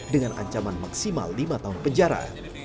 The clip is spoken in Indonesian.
dengan ancaman maksimal lima tahun penjara